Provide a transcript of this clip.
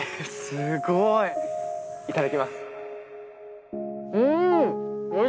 すごいいただきます